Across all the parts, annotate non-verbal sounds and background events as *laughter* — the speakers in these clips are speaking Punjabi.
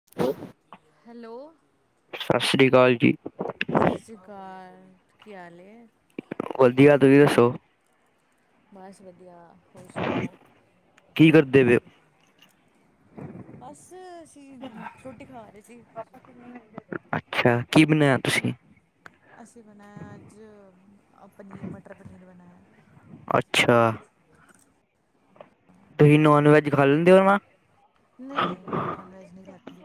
*inaudible* ਹੈਲੋ। ਸਤਿ ਸ੍ਰੀ ਅਕਾਲ ਜੀ। ਸਤਿ ਸ੍ਰੀ ਅਕਾਲ ਕੀ ਹਾਲ ਐ। ਵਧੀਆ ਤੁਸੀਂ ਦੱਸੋ? ਬਸ ਵਧੀਆ ਹੋਰ ਸੁਣਾਓ? ਕੀ ਕਰਦੇ ਪਏ ਹੋ ਬਸ ਅਸੀਂ, ਰੋਟੀ ਖਾ ਰਹੇ ਸੀ। ਅੱਛਾ, ਕੀ ਬਣਾਇਆ ਤੁਸੀਂ? ਅਸੀਂ ਬਣਾਇਆ ਅੱਜ ਪਨੀਰ ਮਟਰ- ਪਨੀਰ ਬਣਾਇ ਅੱਛਾ ਐ। *inaudible* ਤੁਸੀਂ ਨੋਨ ਵੈਜ ਖਾ ਲੈਂਦੇ ਹੋ ਨਾ? ਨਈ-ਨਈ ਮੈਂ ਨੋਨ ਵੈਜ ਨੀ ਖਾਦੀ।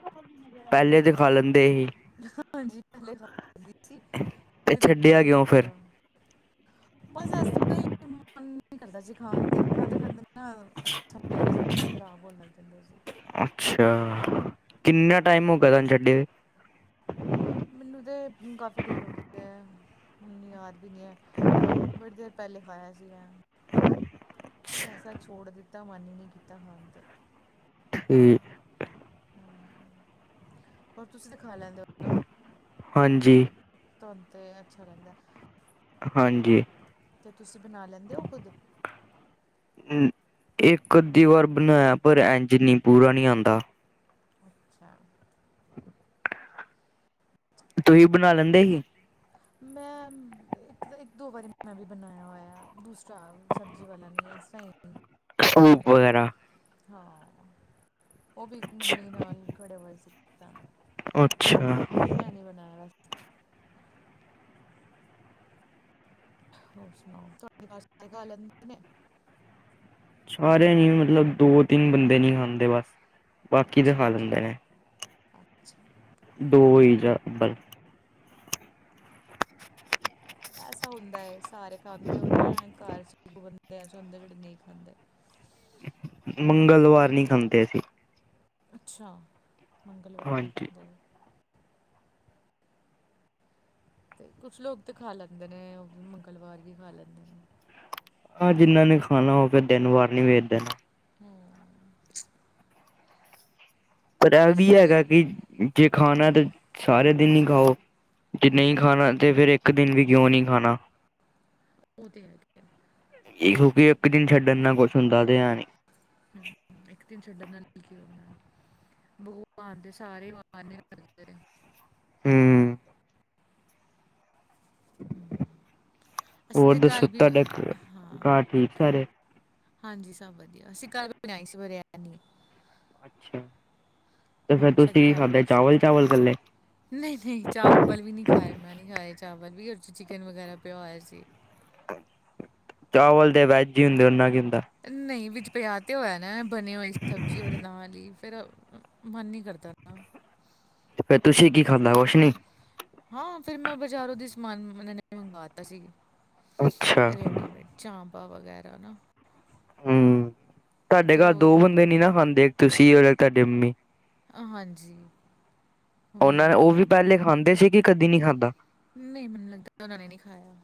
ਪਹਿਲੇ ਤੇ ਖਾ ਲੈਂਦੇ ਸੀ ਹਾਂਜੀ ਪੈਲੇ ਖਾ ਲੈਂਦੀ ਸੀ। ਤੇ ਬੜੀ ਦੇਰ ਛੱਡਿਆ ਹੋਗੀ ਕਿਉਂ ਫਿਰ ਛੋਡਿਆ ਨੂੰ। ਬਸ ਐਸ ਤਰਾਂ ਈ ਮਨ ਨੀ ਕਰਦਾ ਜੀ ਖਾਣ ਤੇ। ਖਾਂਦੇ-ਖਾਂਦੇ ਨਾ ਅਟ ਛੱਡ ਦਿਆ ਸੀ, ਜਦ ਮਨ ਖਰਾਬ ਹੋਣ ਲੱਗ ਜਾਂਦਾ ਹੈ ਤੇ। ਅੱਛਾ ਕਿੰਨਾ ਟਾਈਮ ਹੋ ਗਿਆ ਤੁਹਾਨੂੰ ਛੱਡੇ ਨੂੰ। ਮੈਨੂੰ ਤਾਂ ਕਾਫ਼ੀ ਦੇਰ ਹੋ ਗਈ ਹੈ, ਮੈਨੂੰ ਯਾਦ ਵੀ ਨਹੀਂ ਹੈ। ਬੜੀ ਦੇਰ ਪਹਿਲੇ ਖਾਇਆ ਸੀਗਾ। ਫੇਰ ਐਸਾ ਛੋੜ ਦਿੱਤਾ, ਮਨ ਹੀ ਨਹੀਂ ਕੀਤਾ ਖਾਣ ਤੇ। ਠੀਕ। ਹੂੰ, ਹੋਰ ਤੁਸੀਂ ਤੇ ਖਾ ਲੈਂਦੇ ਹੋ ਨਾ? ਹਾਂਜੀ। ਤੁਹਾਨੂੰ ਤੇ ਅੱਛਾ ਲੱਗਦਾ। ਹਾਂਜੀ। ਤੇ ਤੁਸੀਂ ਬਣਾ ਲੈਂਦੇ ਓ ਖੁਦ? ਇੱਕ, ਅੱਧੀ ਵਾਰ ਬਣਾਇਆ ਪਰ ਐਂਜ ਨੀ ਪੂਰਾ ਨੀ ਆਂਦਾ। ਅੱਛਾ। ਤੁਸੀਂ ਬਣਾ ਲੈਂਦੇ ਸੀ। ਮੈਂ ਇੱਕ, ਇੱਕ-ਦੋ ਵਾਰੀ ਮੈਂ ਵੀ ਬਣਾਇਆ ਹੋਇਆ ਦੂਸਰਾ ਸਬਜ਼ੀ ਵਾਲਾ ਨੀ। ਐ ਨਈ-ਨਈ ਸੂਪ ਤਵੇ ਤੇ, ਵਗੈਰਾ ਹਾਂ। ਓ ਵੀ ਅੱਛਾ ਮੰਮੀ ਨਾਲ ਖੜੇ ਹੋਏ ਸੀ। ਅੱਛਾ, ਮੈਂ ਨੀ ਬਣਾਇਆ ਸੀ। ਹੋਰ ਸੁਣਾਓ ਤੁਹਾਡੀ *unintelligible* ਛਾਰੇ ਨੀ ਮਤਲਬ ਦੋ, ਤਿੰਨ ਬੰਦੇ ਨੀ ਖਾਂਦੇ ਬਸ। ਬਾਕੀ ਤਾਂ ਅੱਛਾ ਖਾ ਅੱਛਾ ਲੈਂਦੇ ਨੇ। ਅੱਛਾ ਦੋ ਈ ਜਾਬਰ। *unintelligible* ਐਸਾ ਹੁੰਦਾ ਏ ਸਾਰੇ ਖਾਂਦੇ ਹੋਣ ਨਾ ਘਰ ਚ ਬੰਦੇ ਐਸੇ ਹੁੰਦੇ ਜਿਹੜੇ ਨਹੀ ਖਾਂਦੇ। ਮੰਗਲਵਾਰ ਨਹੀ ਖਾਂਦੇ ਅਸੀਂ। ਅੱਛਾ, ਮੰਗਲਵਾਰ ਨਹੀ ਹਾਂਜੀ। ਖਾਂਦੇ। ਤੇ ਕੁੱਛ ਲੋਕ ਤੇ ਖਾ ਲੈਂਦੇ ਨੇ ਓ ਵੀ ਮੰਗਲਵਾਰ ਹੀ ਖਾ ਲੈਂਦੇ ਨੇ। ਹਾਂ ਜਿੰਨਾ ਨੇ ਖਾਣਾ, ਉਹ ਫਿਰ ਦਿਨ ਵਾਰ ਨੀ ਵੇਖਦੇ। ਹੂੰ। ਪਰ ਐ ਵੀ ਅਸੀਂ ਤੇ ਹੈਗਾ ਕੀ ਜੇ ਖਾਣਾ ਤਾਂ ਸਾਰੇ ਦਿਨ ਈ ਖਾਓ। ਜੇ ਹਾਂ ਨਹੀ ਖਾਣਾ ਤੇ ਫੇਰ ਇੱਕ ਦਿਨ ਵੀ ਕਿਉਂ ਨੀ ਖਾਣਾ। ਓਹ ਤੇ ਹੈ। ਗਿਆ ਏਹੋ ਕੀ ਇੱਕ ਦਿਨ ਛੱਡਣ ਨਾਲ ਕੁੱਛ ਹੁੰਦਾ ਤੇ ਹੈ ਨੀ। ਹੂੰ ਇੱਕ ਦਿਨ ਛੱਡਣ ਨਾਲ ਕੀ ਹੋਣਾ ਭਗਵਾਨ ਦੇ ਸਾਰੇ ਮਨ ਕਰਦੇ ਨੇ। ਹੂੰ। ਅਸੀਂ ਹੋਰ ਤੇ ਗੱਲ ਦੱਸੋ, ਵੀ ਤੁਹਾਡਾ ਹਾਂ ਘਰ ਠੀਕ ਸਾਰੇ? ਹਾਂਜੀ ਸਭ ਵਧੀਆ, ਅਸੀਂ ਕੱਲ ਬਣਾਈ ਸੀ ਬਰਿਆਨੀ। ਅੱਛਾ। ਤੇ ਫੇਰ ਹਾਂ ਤੁਸੀਂ ਸਾਡੇ ਕੀ ਘਰ ਖਾਧਾ ਬਣੀ ਸੀ, ਚਾਵਲ ਚਾਵਲ ਕੱਲੇ ਨਹੀਂ-ਨਹੀਂ ਚਾਵਲ ਵਾਲੀ ਨੀ ਖਾਏ ਮੈਂ ਨੀ ਖਾਏ ਚਾਵਲ ਵੀ ਓ 'ਚ ਚਿਕਨ ਵਗੈਰਾ ਪਿਆ ਹੋਇਆ ਸੀ। ਚਾਵਲ ਤੇ ਵੈਜ ਈ ਹੁੰਦੇ, ਓਨਾ ਕੀ ਹੁੰਦਾ। ਨਹੀ ਵਿੱਚ ਪਿਆਜ ਤਾਂ ਹੋਇਆ ਨਾ ਬਣੀ ਹੋਈ ਸਬਜ਼ੀ ਓਹਦੇ ਨਾਲ ਈ ਫਿਰ ਮਨ ਨੀ ਕਰਦਾ ਨਾ। ਤੇ ਫੇਰ ਤੁਸੀਂ ਕੀ ਖਾਧਾ ਰੋਸ਼ਨੀ ਹਾਂ ਫਿਰ ਮੈਂ ਬਾਜ਼ਾਰੋਂਦੀ ਸਮਾਨ ਉਹਨਾਂ ਨੇ ਮੰਗਵਾਤਾ ਸੀ, ਅੱਛਾ। ਰੇਡੀਮੇਡ ਚਾਂਪਾ ਵਗੈਰਾ ਨਾ ਹਮ, ਉਹ ਤੁਹਾਡੇ ਫਿਰ ਘਰ ਉਹ ਹੀ ਦੋ ਖਾ ਲਈ ਬੰਦੇ ਨੀ ਨਾ ਖਾਂਦੇ, ਇੱਕ ਤੁਸੀਂ ਔਰ ਤੁਹਾਡੇ ਮੰਮੀ ਹਾਂਜੀ ਮੰਮੀ ਉਹਨਾਂ ਨਹੀਂ ਉਹ ਵੀ ਖਾਂਦੇ ਪਹਿਲੇ ਖਾਂਦੇ ਸੀ ਕਿ ਕਦੀ ਨਹੀਂ ਖਾਂਦਾ ਨਹੀਂ ਮੈਨੂੰ ਲੱਗਦਾ, ਉਹਨਾਂ ਨੇ ਨਹੀਂ ਖਾਇਆ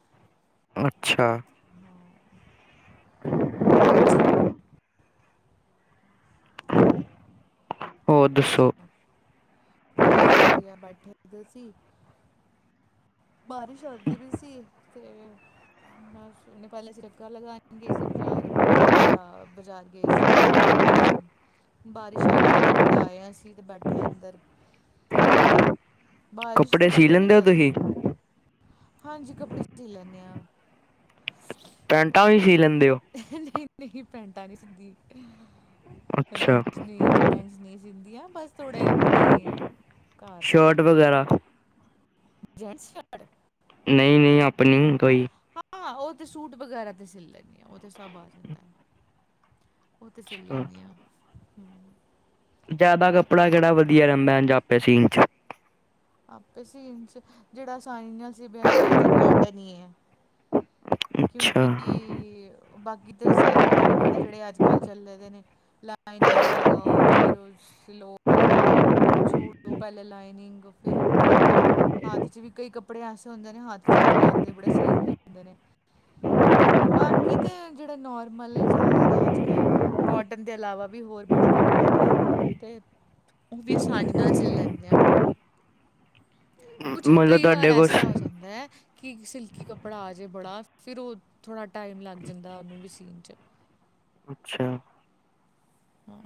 ਅੱਛਾ ਹਾਂ ਹ *inaudible* ਹੋਰ ਸੁਣਾ, ਬਸ ਵਧੀਆ ਬੈਠੇ ਦੇ ਸੀ। ਬਾਰਿਸ਼ ਆਂਉਦੀ ਵੀ ਸੀ, ਤੇ ਬਸ ਉਹਨੇ ਪਹਿਲੇ ਸਿਰਕਾ ਲਗਾਉਣ ਗਏ ਸੀ ਬਜ਼ਾਰ ਥੋੜਾ ਬਜ਼ਾਰ ਗਏ ਸੀ ਤੇ ਫਿਰ ਬਾਰਿਸ਼ ਆ ਗਈ, ਫਟਾਫਟ ਆਏ ਆ ਅਸੀਂ, ਤੇ ਬੈਠੇ ਅੰਦਰ। ਬਾਰਿਸ਼ ਕੱਪੜੇ ਤਾਂ ਸੀ ਪਤਾ ਹੀ ਨਹੀਂ ਲੈਂਦੇ ਓ ਚੱਲਦਾ ਤੁਸੀਂ? ਹਾਂਜੀ ਕੱਪੜੇ ਸੀ ਲੈਂਦੇ ਆ। ਪੈਂਟਾਂ ਵੀ ਸੀ ਲੈਂਦੇ ਓ? ਨਹੀਂ- ਨਹੀਂ ਪੈਂਟਾਂ ਨੀ ਸਿੰਦੀ। *unintelligible* ਅੱਛਾ ਨੀ ਸਿੰਦੀਆ ਬਸ ਥੋੜੇ ਆਪਣੇ ਈ ਘਰ ਤੇ ਈ। ਸ਼ਰਟ ਵਗੈਰਾ ਜੇਂਟਸ ਸ਼ਰਟ ਨਹੀਂ- ਨਹੀਂ ਆਪਣੀ ਕੋਈ ਹਾਂ ਉਹ ਤੇ ਸੂਟ ਵਗੈਰਾ ਤੇ ਸਿਲ ਲੈਂਦੀ ਆ ਉਹ ਤੇ ਸਭ ਆ ਜਾਂਦਾ ਉਹ ਤੇ ਸਿਲ ਅੱਛਾ, ਲੈਂਦੀ ਹਾਂ, ਹਮ ਜਿਆਦਾ ਕੱਪੜਾ ਜਿਹੜਾ ਵਧੀਆ ਰਹਿੰਦਾ ਆਪੇ ਸੀਨ ਚ ਆਪੇ ਸੀਨ 'ਚ, ਜਿਹੜਾ ਆਸਾਨੀ ਨਾਲ ਸੀਬਿਆ ਜਾਏ ਉਹ ਤਾਂ ਕੋਟਨ ਹੀ ਹੈ ਅੱਛਾ ਕਿਉਂਕਿ, ਬਾਕੀ ਦੇ ਸਿਲਕ ਦੇ ਕੱਪੜੇ ਜਿਹੜੇ ਅੱਜ -ਕੱਲ੍ਹ ਚੱਲੇ ਦੇ ਨੇ ਲਾਈਨਿੰਗਾਂ ਲਗਾਓ ਫਿਰ ਸਿਲੋਨੂੰ ਜੋੜੋ ਪਹਿਲੇ ਲਾਈਨਿੰਗ ਫਿਰ ਉਹਨੂੰ ਕਰੋ ਹੱਥ ਚ ਵੀ ਕਈ ਕੱਪੜੇ ਐਸੇ ਹੁੰਦੇ ਨੇ ਹੱਥ ਚ ਨਹੀਂ ਆਂਦੇ ਬੜੇ ਸਿਲਕੀ ਹੁੰਦੇ ਨੇ ਹਾਂ *unintelligible* ਬਾਕੀ ਤੇ ਜਿਹੜੇ ਨੋਰਮਲ ਚੱਲਦੇ ਨੇ ਅੱਜ ਕੱਲ੍ਹ ਕੋਟਨ ਦੇ ਇਲਾਵਾ ਵੀ ਹੋਰ ਬੜੇ ਕੱਪੜੇ ਨੇ ਤੇ ਉਹ ਵੀ ਆਸਾਨੀ ਨਾਲ ਸਿਲ ਲੈਂਦੇ ਆ ਕੁਛ ਮਤਲਬ ਕਈ ਵਾਰ ਤੁਹਾਡੇ ਕੋਲ ਐਸਾ ਆ ਜਾਂਦੈ ਕਿ ਸਿਲਕੀ ਕੱਪੜਾ ਆ ਜੇ ਬੜਾ ਫਿਰ ਉਹ ਥੋੜ੍ਹਾ ਟਾਈਮ ਲੱਗ ਜਾਂਦਾ ਉਹਨੂੰ ਵੀ ਸੀਨ 'ਚ ਅੱਛਾ ਹਾਂ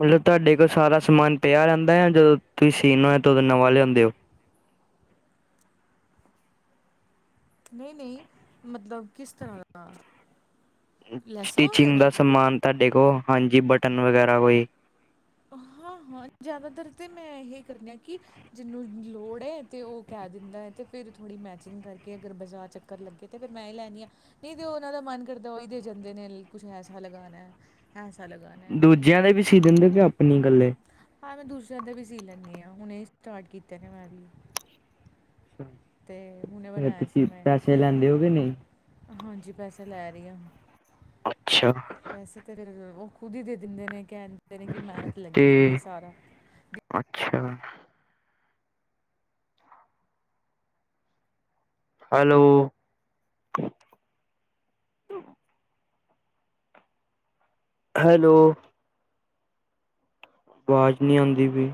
ਮਤਲਬ ਤੁਹਾਡੇ ਕੋਲ ਸਾਰਾ ਸਮਾਨ ਪਿਆ ਰਹਿੰਦੈ ਜਦੋਂ ਤੁਸੀਂ ਸੀਣਾ ਹੋਏ ਤਾਂ ਉਦੋਂ ਨਵਾਂ ਲਿਆਉਂਦੇ ਹੋ ਨਹੀਂ ਨਹੀਂ ਮਤਲਬ ਕਿਸ ਤਰ੍ਹਾਂ ਦਾ ਲੈਸਾਂ ਸਟਿਚਿੰਗ ਵਗੈਰਾ ਦਾ ਸਮਾਨ ਤੁਹਾਡੇ ਕੋਲ ਹਾਂਜੀ ਬਟਨ ਵਗੈਰਾ ਕੋਈ ਹਾਂ ਹਾਂ ਜ਼ਿਆਦਾਤਰ ਤੇ ਮੈਂ ਇਹ ਕਰਨੀ ਆ ਕਿ ਜਿਹਨੂੰ ਲੋੜ ਏ ਤੇ ਉਹ ਕਹਿ ਦਿੰਦੈ ਤੇ ਫਿਰ ਥੋੜ੍ਹੀ ਮੈਚਿੰਗ ਕਰਕੇ ਅਗਰ ਬਜ਼ਾਰ ਕਰ ਲੱਗੇ ਤੇ ਫਿਰ ਮੈਂ ਈ ਲੈਂਣੀ ਆਂ ਨਹੀਂ ਤੇ ਉਹਨਾਂ ਦਾ ਮਨ ਕਰਦਾ ਉਹੀ ਦੇ ਜਾਂਦੇ ਨੇ ਕੁਛ ਐਸਾ ਲਗਾਣੈ ਐਸਾ ਲਗਾਣੈ ਜ਼ਿਆਦਾ ਵੀ ਸੀ ਦਿੰਦੇ ਫ ਆਪਣੀ ਗੱਲੇ ਹਾਂ ਮੈਂ ਦੂਸਰਿਆਂ ਦੇ ਵੀ ਸੀ ਲੈਂਨੀ ਹਾਂ ਹੁਣੇ ਸਟਾਰਟ ਕੀਤੇ ਨੇ ਮੈਂ ਵੀ ਤੇ ਹੁਣੇ ਬਣਾਇਆ ਸੀ ਤੁਸੀਂ ਮੈਂ ਇੱਕ ਪੈਸੇ ਸੂਟ ਲੈਂਦੇ ਹੋ ਕੇ ਨਹੀਂ ਹਾਂਜੀ ਪੈਸੇ ਲੈ ਰਹੀ ਆ ਅੱਛਾ ਵੈਸੇ ਤੇ ਉਹ ਖੁਦ ਹੀ ਦੇ ਦਿੰਦੇ ਨੇ ਕਹਿ ਦਿੰਦੇ ਨੇ ਕਿ ਮਿਹਨਤ ਤੇ ਲੱਗੀ ਦੀਏ ਸਾਰਾ ਅੱਛਾ ਹੈਲੋ, ਹੈਲੋ, ਆਵਾਜ਼ ਨਹੀਂ ਆਂਦੀ ਬੀ।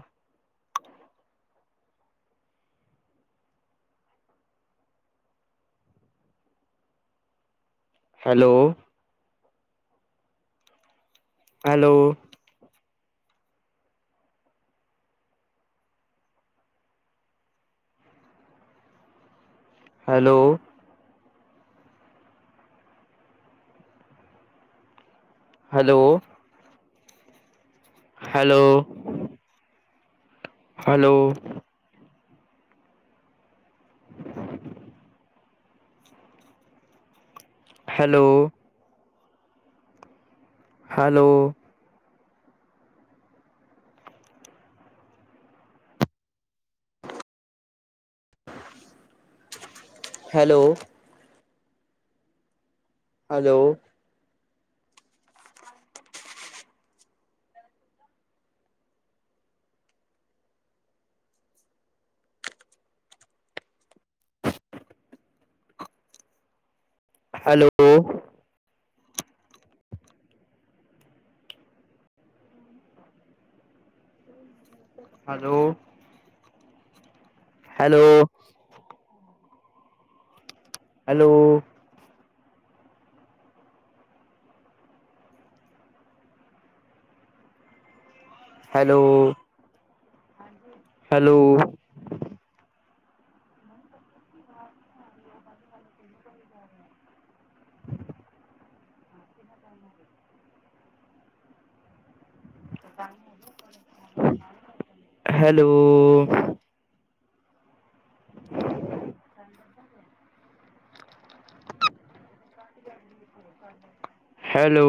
Hello, hello, hello, hello, hello hello *unintelligible* hello hello *unintelligible* *inaudible* hello hello hello hello hello, hello, hello, hello, hello, hello *unintelligible* hello,